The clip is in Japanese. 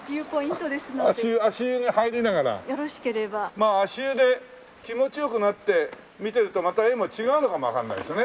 まあ足湯で気持ち良くなって見てるとまた絵も違うのかもわかんないですよね。